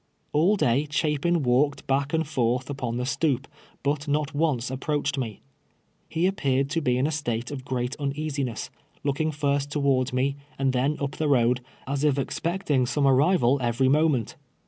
All day Chapin walked back and forth upon the stoop, but not once approached me. He appeared to be in a state of great uneasiness, looking first towards me, and then up the road, as if expecting some arrival every moment.